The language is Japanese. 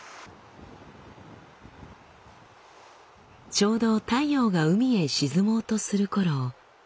ちょうど太陽が海へ沈もうとするころ